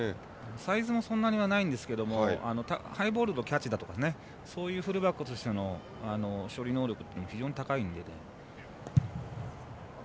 サイズもそんなにないんですがハイボールのキャッチそういうフルバックとしての処理能力が非常に高いので。